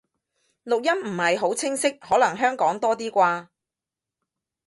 錄音唔係好清晰，可能香港多啲啩